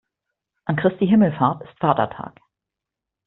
An Christi Himmelfahrt ist Vatertag.